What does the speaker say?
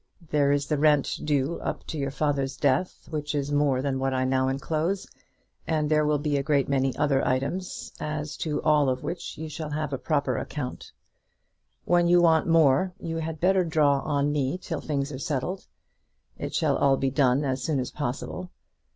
There is the rent due up to your father's death, which is more than what I now enclose, and there will be a great many other items, as to all of which you shall have a proper account. When you want more, you had better draw on me, till things are settled. It shall all be done as soon as possible.